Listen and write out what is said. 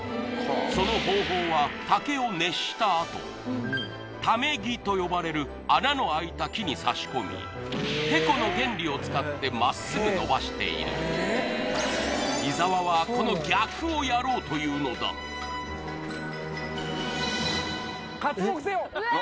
その方法は竹を熱したあと矯め木と呼ばれる穴のあいた木に差し込みテコの原理を使って真っ直ぐのばしている伊沢はこの逆をやろうというのだうわー